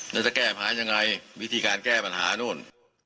นี่จะแก้ภัยอย่างไรวิธีการแก้ปัญหานั่น